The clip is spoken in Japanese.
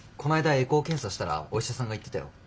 エコー検査したらお医者さんが言ってたよ。